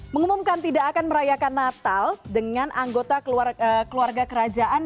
mengumumkan tidak akan merayakan natal dengan anggota keluarga kerajaan